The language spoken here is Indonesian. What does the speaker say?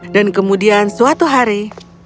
dan kemudian suatu hari